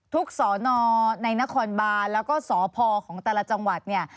สอนอในนครบานแล้วก็สพของแต่ละจังหวัดเนี่ย